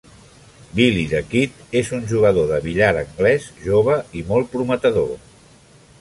Billy the Kid és un jugador de billar anglès jove i molt prometedor.